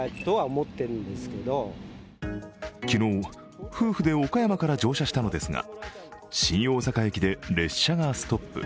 昨日、夫婦で岡山から乗車したのですが、新大阪駅で列車がストップ。